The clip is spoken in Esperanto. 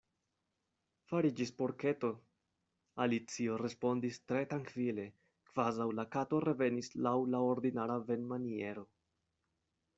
"Fariĝis porketo," Alicio respondis tre trankvile, kvazaŭ la Kato revenis laŭ la ordinara venmaniero.